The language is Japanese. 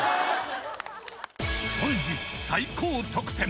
［本日最高得点］